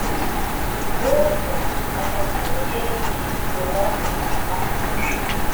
muntu amakuru yerekeye iyo ngwate agomba